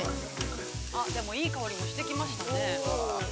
◆でもいい香りがしてきましたね。